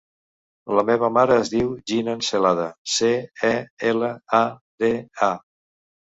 La meva mare es diu Jinan Celada: ce, e, ela, a, de, a.